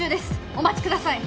お待ちください。